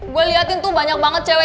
gue liatin tuh banyak banget cewek